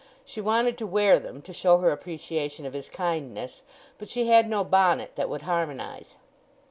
She wanted to wear them to show her appreciation of his kindness, but she had no bonnet that would harmonize.